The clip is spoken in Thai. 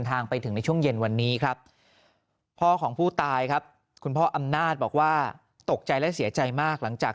คุณพ่ออำนาจบอกว่าตกใจและเสียใจมากหลังจาก